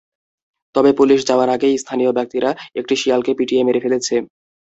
তবে পুলিশ যাওয়ার আগেই স্থানীয় ব্যক্তিরা একটি শিয়ালকে পিটিয়ে মেরে ফেলেছে।